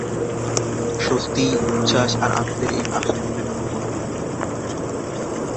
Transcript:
স্বস্তি, উচ্ছ্বাস আর আনন্দের এই আশ্চর্যজনক অনুভূতি।